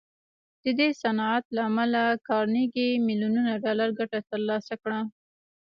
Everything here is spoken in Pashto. د دې صنعت له امله کارنګي ميليونونه ډالر ګټه تر لاسه کړه.